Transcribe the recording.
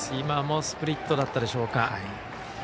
今もスプリットだったでしょうか。